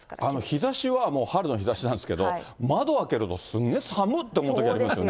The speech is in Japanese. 日ざしは、もう春の日ざしなんですけど、窓開けると、すんげえ、さむって思うときありますよね。